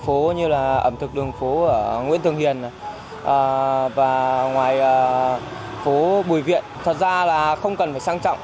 phố bùi viện thật ra là không cần phải sang trọng